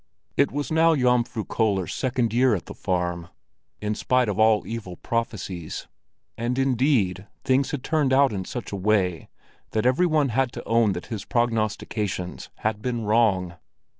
It was now Jomfru Köller's second year at the farm, in spite of all evil prophecies; and indeed things had turned out in such a way that every one had to own that his prognostications had been wrong.